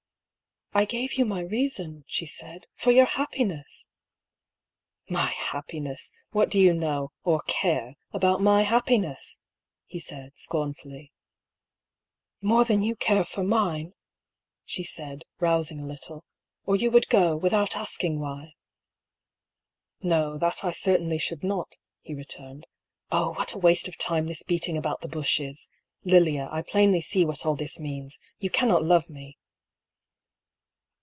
" I gave you my reason," she said. " For your hap piness !" "My happiness! What do you know — or care — about my happiness ?" he said, scornfully. 116 DR. PAULL'S THEORY. " More than you care for mine !" she said, rousing a little. " Or you would go, without asking why !"" No, that I certainly should not," he returned. " Oh, what waste of time this beating about the bush is ! Lilia, I plainly see what all this means. You cannot love me